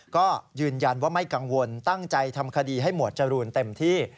ก็ยืนยันว่าไม่กังวลตั้งใจทำคดีให้หมวดจรูนเต็มที่